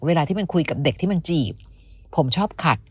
เวลาที่มันคุยกับเด็กที่มันจีบผมชอบขัด